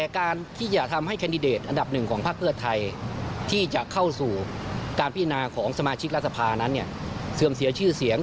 การผิดหนาของสมาชิกราศพานั้นเสื่อมเสียชื่อเสียง